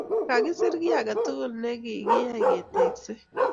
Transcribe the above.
kakisir kyi age tugul nekakiyai keteksei